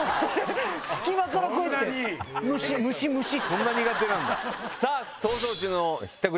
そんな苦手なんだ。